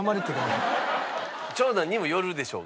長男にもよるでしょうけどね。